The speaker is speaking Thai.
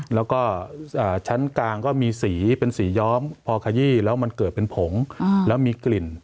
แล้วก็ชั้นกลางก็มีสีเป็นสีย้อมพอขยี้แล้วมันเกิดเป็นผงแล้วมีกลิ่น